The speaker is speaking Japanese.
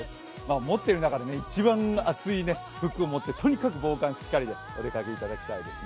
持ってる中で一番厚い服を持ってとにかく防寒しっかりでお出かけいただきたいですね。